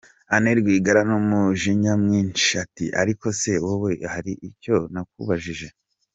Anne Rwigara n’umujinya mwinshi, ati “Ariko se wowe hari icyo nakubajije?